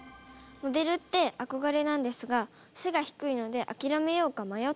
モデルって憧れなんですが背が低いので諦めようか迷っています。